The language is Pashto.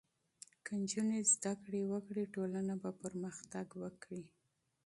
که نجونې زدهکړه وکړي، ټولنه به پرمختګ وکړي.